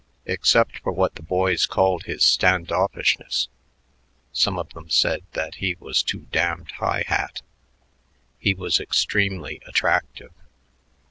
Except for what the boys called his stand offishness some of them said that he was too damned high hat he was extremely attractive.